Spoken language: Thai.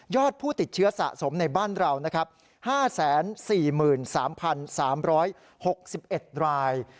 ผู้ติดเชื้อสะสมในบ้านเรานะครับ๕๔๓๓๖๑ราย